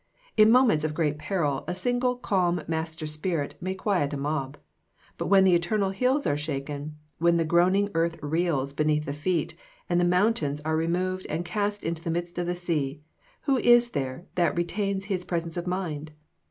In moments of great peril a single calm master spirit may quiet a mob. But when the eternal hills are shaken, when the groaning earth reels beneath the feet, and the mountains are removed and cast into the midst of the sea, who is there that retains his presence of mind?